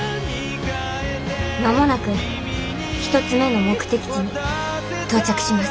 間もなく１つ目の目的地に到着します。